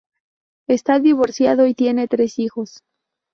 Está divorciado y tiene tres hijos.